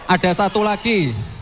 ada satu lagi